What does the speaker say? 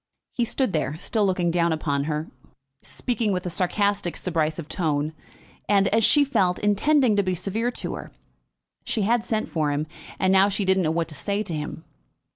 He stood there, still looking down upon her, speaking with a sarcastic subrisive tone, and, as she felt, intending to be severe to her. She had sent for him, and now she didn't know what to say to him.